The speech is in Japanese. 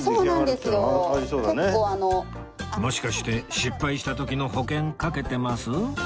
もしかして失敗した時の保険かけてます？